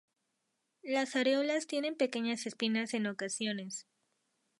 Las areolas tienen pequeñas espinas en ocasiones.